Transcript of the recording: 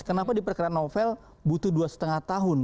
kenapa diperkara novel butuh dua lima tahun